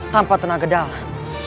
tanpa tenaga dalam